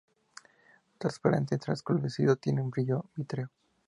Transparente o translúcido, tiene brillo vítreo.